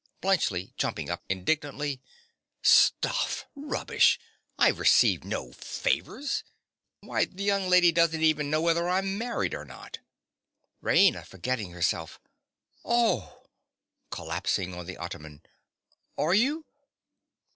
BLUNTSCHLI. (jumping up indignantly). Stuff! Rubbish! I have received no favours. Why, the young lady doesn't even know whether I'm married or not. RAINA. (forgetting herself). Oh! (Collapsing on the ottoman.) Are you?